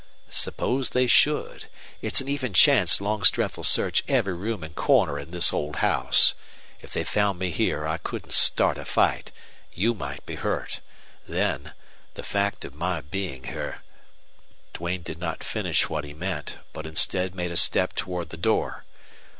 "Suppose they should? It's an even chance Longstreth'll search every room and corner in this old house. If they found me here I couldn't start a fight. You might be hurt. Then the fact of my being here " Duane did not finish what he meant, but instead made a step toward the door.